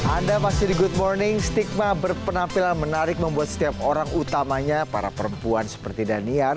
anda masih di good morning stigma berpenampilan menarik membuat setiap orang utamanya para perempuan seperti daniar